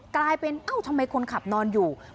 กลายเป็นเอ้าทำไมคนขับนอนอยู่